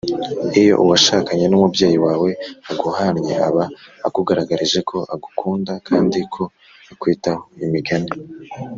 Iyo uwashakanye n umubyeyi wawe aguhannye aba akugaragarije ko agukunda kandi ko akwitaho Imigani